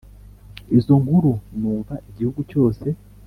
izo nkuru numva igihugu cyose